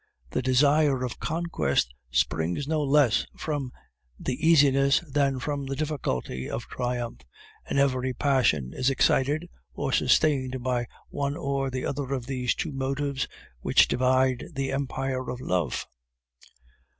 The desire of conquest springs no less from the easiness than from the difficulty of triumph, and every passion is excited or sustained by one or the other of these two motives which divide the empire of love.